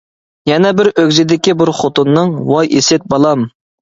يەنە بىر ئۆگزىدىكى بىر خوتۇننىڭ: ۋاي ئىسىت بالام!